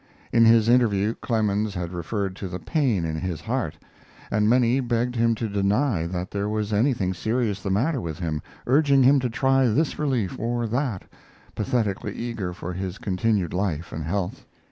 In his interview Clemens had referred to the pain in his breast; and many begged him to deny that there was anything serious the matter with him, urging him to try this relief or that, pathetically eager for his continued life and health.